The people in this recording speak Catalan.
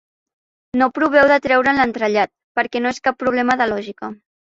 No proveu de treure'n l'entrellat, perquè no és cap problema de lògica.